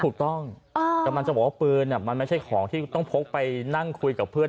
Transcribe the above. กำลังจะบอกว่าปืนมันไม่ใช่ของที่ต้องพกไปนั่งคุยกับเพื่อน